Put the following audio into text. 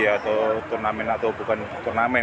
atau turnamen atau bukan turnamen